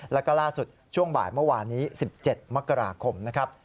แล้วก็ล่าสุดช่วงบ่ายเมื่อวานนี้๑๗มกราคมนะครับ